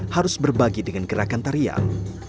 harus berbagi dengan gerakan tarian